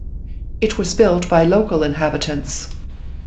It was built by local inhabitants.